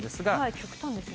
極端ですね。